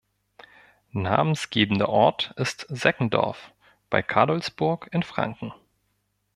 Namensgebender Ort ist Seckendorf bei Cadolzburg in Franken.